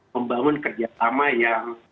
membangun kerjasama yang